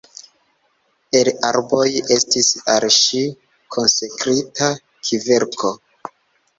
El arboj estis al ŝi konsekrita kverko.